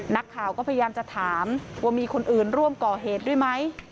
นักข่าวก็พยายามจะถามว่ามีคนอื่นร่วมก่อเหตุด้วยไหม